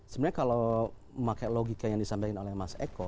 sebenarnya kalau memakai logika yang disampaikan oleh mas eko